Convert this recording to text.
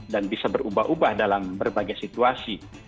dan bisa berubah ubah dalam berbagai situasi